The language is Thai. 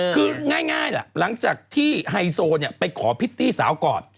คือง่ายหลังจากที่ไฮโซเนี่ยไปขอพิษที่สาวก่อน